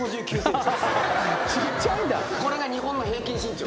これが日本の平均身長。